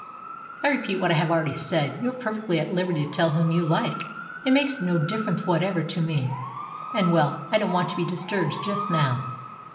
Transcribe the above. "I repeat what I have already said. You are perfectly at liberty to tell whom you like. It makes no difference whatever to me. And, well, I don't want to be disturbed just now."